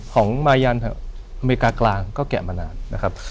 ของมายันแถวอเมริกากลางก็แกะมานานนะครับ